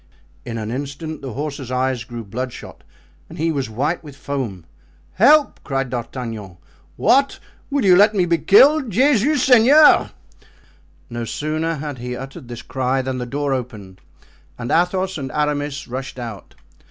In an instant the horse's eyes grew bloodshot and he was white with foam. "Help!" cried D'Artagnan. "What! will you let me be killed? Jesus Seigneur!" No sooner had he uttered this cry than the door opened and Athos and Aramis rushed out.